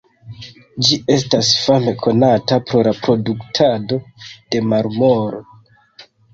Ĝi estas fame konata pro la produktado de marmoro.